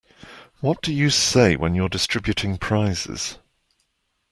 What do you say when you're distributing prizes?